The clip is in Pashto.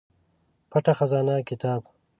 پټه خزانه کتاب